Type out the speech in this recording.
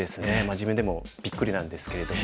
自分でもびっくりなんですけれども。